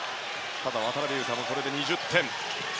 渡邊雄太はこれで２０点。